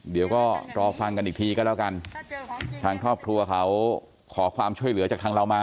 เดี๋ยวก็รอฟังกันอีกทีก็แล้วกันทางครอบครัวเขาขอความช่วยเหลือจากทางเรามา